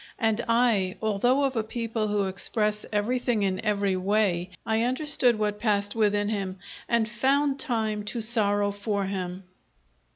And I, although of a people who express everything in every way, I understood what passed within him and found time to sorrow for him.